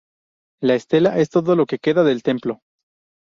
La estela es todo lo que queda del templo.